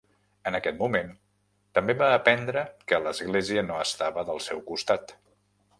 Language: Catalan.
En aquest moment també va aprendre que l’església no estava del seu costat.